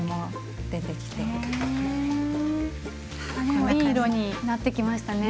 でもいい色になってきましたね。